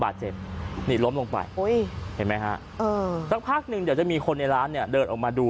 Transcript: บาดเจ็บล้มลงไปเห็นไหมครับสักพักหนึ่งเดี๋ยวจะมีคนในร้านเดินออกมาดู